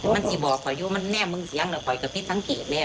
มันสิบอกพ่อยอยู่มันแน่มึงเสียงแล้วพ่อยกระพริกทั้งเกดแล้ว